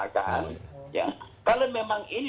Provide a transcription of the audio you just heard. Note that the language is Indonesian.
kalau memang ini dianggap sesuatu yang memang harus dianggap